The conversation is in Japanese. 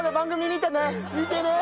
見てね！